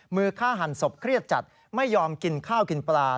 มือฆ่าหันศพเครียดจัดไม่ยอมกินข้าวกินปลา